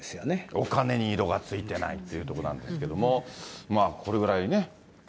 お金に色がついてないというところなんですけども、まあこれぐらいね。